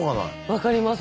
分かります。